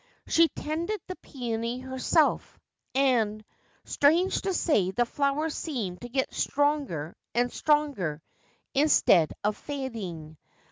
She tended the peony herself, and, strange to say, the flower seemed to get stronger and stronger, instead of fading.